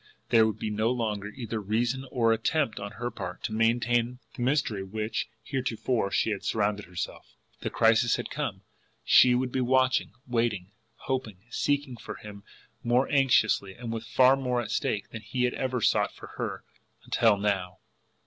There would be no longer either reason or attempt on her part to maintain the mystery with which she had heretofore surrounded herself, the crisis had come, she would be watching, waiting, hoping, seeking for him more anxiously and with far more at stake than he had ever sought for her until now!